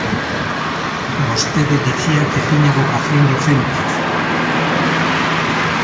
Vostede dicía que tiña vocación docente.